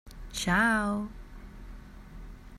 Ciao!